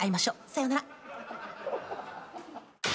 さよなら。